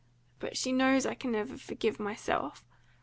But she knows I can never forgive myself!